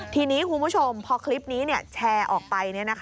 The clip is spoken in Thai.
ทีนี้คุณผู้ชมพอคลิปนี้แชร์ออกไป